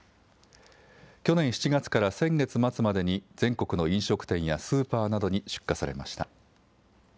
去年７月から先月末までに全国の飲食店やスーパーなどに出荷されました。